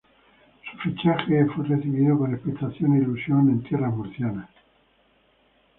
Su fichaje fue recibido con expectación e ilusión en tierras murcianas.